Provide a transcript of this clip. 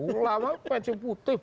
ulama pece putih